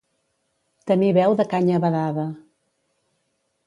Tenir veu de canya badada.